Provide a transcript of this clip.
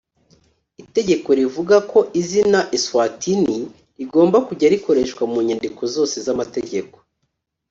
Itegeko Rivuga ko izina eSwatini rigomba kujya rikoreshwa ku nyandiko zose z’amategeko